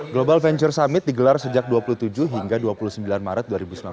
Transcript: global venture summit digelar sejak dua puluh tujuh hingga dua puluh sembilan maret dua ribu sembilan belas